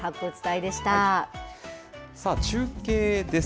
さあ、中継です。